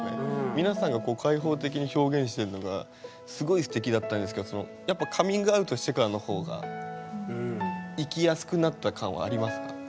皆さんが開放的に表現してるのがすごいすてきだったんですけどやっぱカミングアウトしてからの方が生きやすくなった感はありますか？